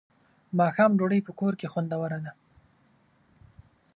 ماښام ډوډۍ په کور کې خوندوره ده.